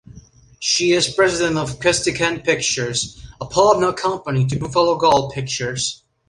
She is President of Kistikan Pictures, a partner company to Buffalo Gal Pictures.